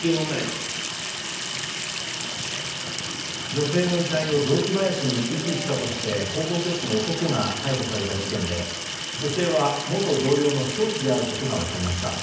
女性の遺体を雑木林に遺棄したとして高校教師の男が逮捕された事件で女性は元同僚の教師であることが分かりました。